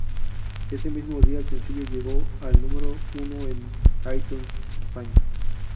Ese mismo día, el sencillo llegó al número uno en iTunes España.